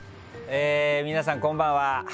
皆さん、こんばんは。